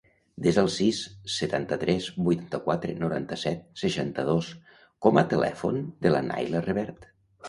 Desa el sis, setanta-tres, vuitanta-quatre, noranta-set, seixanta-dos com a telèfon de la Nayla Revert.